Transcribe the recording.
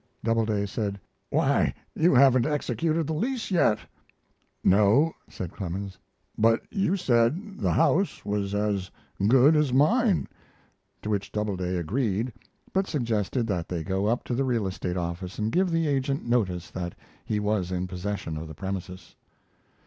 Doubleday said: "Why, you haven't executed the lease yet." "No," said Clemens, "but you said the house was as good as mine," to which Doubleday agreed, but suggested that they go up to the real estate office and give the agent notice that he was in possession of the premises.